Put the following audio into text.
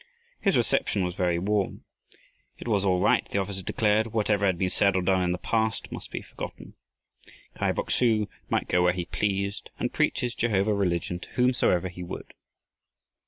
His reception was very warm. It was all right, the officer declared. Whatever had been said or done in the past must be forgotten. Kai Bok su might go where he pleased and preach his Jehovah religion to whomsoever he would.